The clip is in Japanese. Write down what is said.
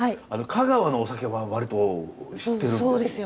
香川のお酒はわりと知ってるんです。